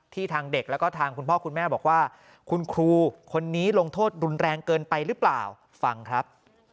ทางเด็กแล้วก็ทางคุณพ่อคุณแม่บอกว่าคุณครูคนนี้ลงโทษรุนแรงเกินไปหรือเปล่าฟังครับ